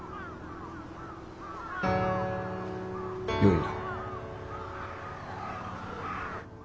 よいな？